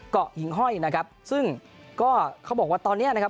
หิงห้อยนะครับซึ่งก็เขาบอกว่าตอนเนี้ยนะครับ